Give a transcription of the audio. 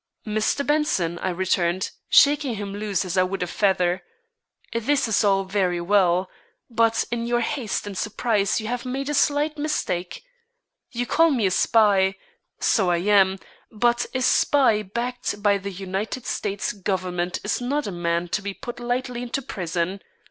"Mr. Benson," I returned, shaking him loose as I would a feather, "this is all very well; but in your haste and surprise you have made a slight mistake. You call me a spy; so I am; but a spy backed by the United States Government is not a man to be put lightly into prison.